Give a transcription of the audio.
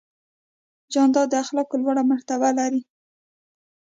جانداد د اخلاقو لوړه مرتبه لري.